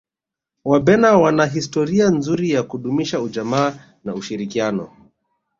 wabena wana historia nzuri ya kudumisha ujamaa na ushirikiano